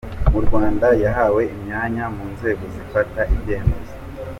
Mu Rwanda yahawe imyanya mu nzego zifata ibyemezo.